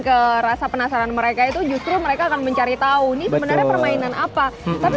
ke rasa penasaran mereka itu justru mereka akan mencari tahu nih bener permainan apa tapi